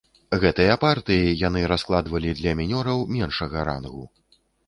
Гэтыя партыі яны раскладвалі для мінёраў меншага рангу.